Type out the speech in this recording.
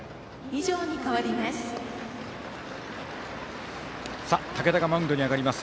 以上に変わります。